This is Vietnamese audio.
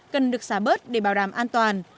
cần được xả bớt để bảo đảm an toàn